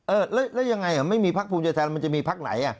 เออแล้วยังไงไม่มีพักภูมิใจไทยมันจะมีพักไหน